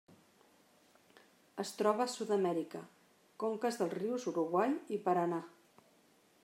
Es troba a Sud-amèrica: conques dels rius Uruguai i Paranà.